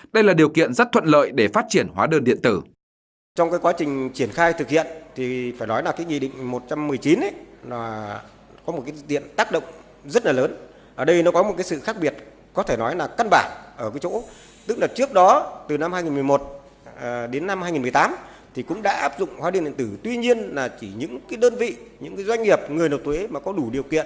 đây là điều kiện rất thuận lợi để phát triển hóa đơn điện tử